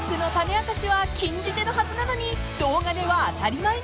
明かしは禁じ手のはずなのに動画では当たり前に］